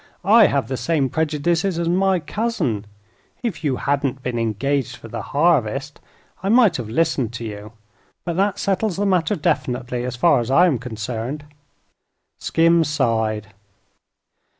"I have the same prejudices as my cousin. If you hadn't been engaged for the harvest I might have listened to you; but that settles the matter definitely, as far as I am concerned." Skim sighed.